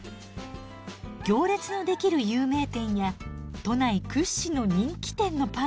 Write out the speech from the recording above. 行列のできる有名店や都内屈指の人気店のパンなんです。